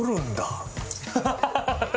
アハハハ。